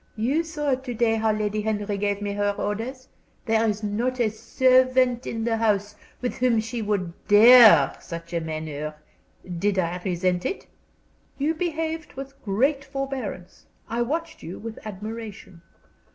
"You saw to day how Lady Henry gave me her orders. There is not a servant in the house with whom she would dare such a manner. Did I resent it?" "You behaved with great forbearance. I watched you with admiration."